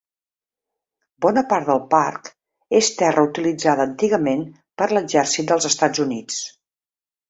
Bona part del parc és terra utilitzada antigament per l'exèrcit dels Estats Units.